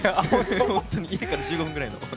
家から１５分ぐらいの。